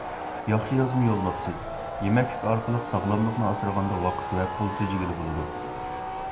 ياخشى يازما يوللاپسىز. يېمەكلىك ئارقىلىق ساغلاملىقنى ئاسرىغاندا ۋاقىت ۋە پۇل تېجىگىلى بولىدۇ.